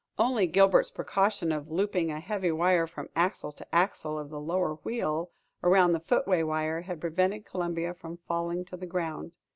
Only Gilbert's precaution of looping a heavy wire from axle to axle of the lower wheel around the footway wire, had prevented Columbia from falling to the ground.